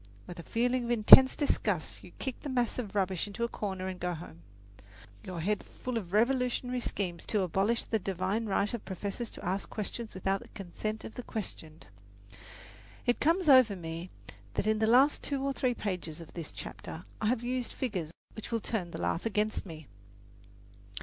With a feeling of intense disgust you kick the mass of rubbish into a corner and go home, your head full of revolutionary schemes to abolish the divine right of professors to ask questions without the consent of the questioned. It comes over me that in the last two or three pages of this chapter I have used figures which will turn the laugh against me.